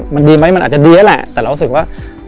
มันดีไหมมันอาจจะดีแล้วแหละแต่เรารู้สึกว่า